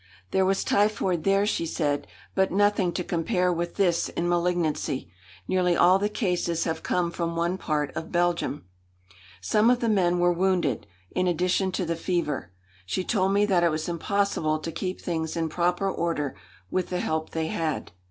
"There was typhoid there," she said, "but nothing to compare with this in malignancy. Nearly all the cases have come from one part of Belgium." Some of the men were wounded, in addition to the fever. She told me that it was impossible to keep things in proper order with the help they had.